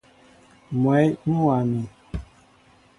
Mwɛy ń wa mi.